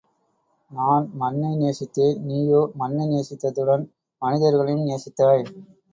நான் மண்ணை நேசித்தேன் நீயோ, மண்ணை நேசித்ததுடன், மனிதர்களையும் நேசித்தாய்!